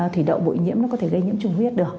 thủy đậu bội nhiễm nó có thể gây nhiễm chủng huyết được